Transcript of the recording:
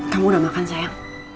kamu udah makan sayang